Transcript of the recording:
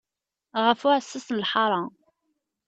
Ɣef uɛessas n lḥara.